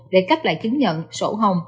để cấp lại chứng nhận sổ hồng